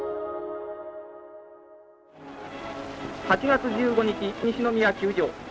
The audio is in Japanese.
８月１５日西宮球場。